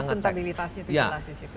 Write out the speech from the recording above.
ngecek akuntabilitasnya itu jelas disitu